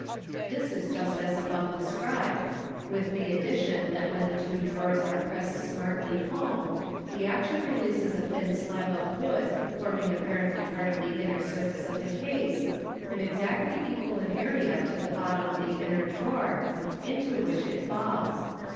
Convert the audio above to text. This is just as above described, with the addition that when the two draweis are pressed smartly home, the action releases a thin slab of wood 34S MODERN MAGIC. forming apparently part of the inner surface of the case, and exactly equal in area to the bottom of the inner drawer, into which it falls.